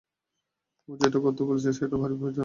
ও যেটা করতে বলছে সেটা ভারি বিপজ্জনক।